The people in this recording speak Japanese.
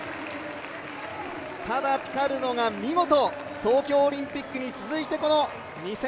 ただ、ピカルドが見事、東京オリンピックに続いて２０２２